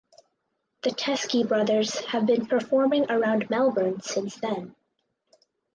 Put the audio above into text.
The Teskey Brothers have been performing around Melbourne since then.